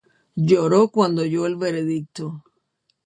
Lloró cuando oyó el veredicto.